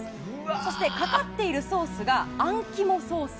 そして、かかっているソースがあん肝ソース。